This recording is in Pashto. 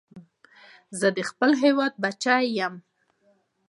زه د خپل هېواد بچی یم